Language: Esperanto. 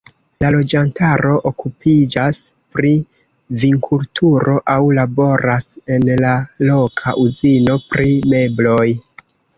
La loĝantaro okupiĝas pri vinkulturo aŭ laboras en la loka uzino pri mebloj.